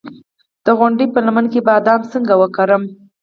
د غونډۍ په لمن کې بادام څنګه وکرم؟